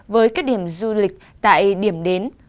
với các điểm du lịch tại điểm đến